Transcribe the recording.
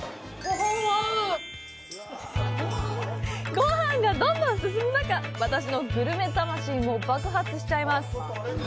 ごはんがどんどん進む中、私のグルメ魂も爆発しちゃいます！